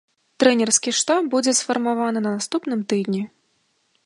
Трэнерскі штаб будзе сфармаваны на наступным тыдні.